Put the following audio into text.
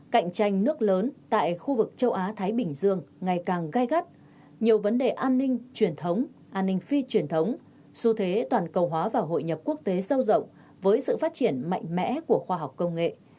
cạnh tranh nước lớn tại khu vực châu á thái bình dương ngày càng gai gắt nhiều vấn đề an ninh truyền thống an ninh phi truyền thống xu thế toàn cầu hóa và hội nhập quốc tế sâu rộng với sự phát triển mạnh mẽ của khoa học công nghệ